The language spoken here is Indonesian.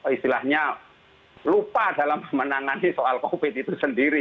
istilahnya lupa dalam menangani soal covid itu sendiri